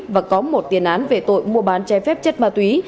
và có một tiền án về tội mua bán che phép chất ma túy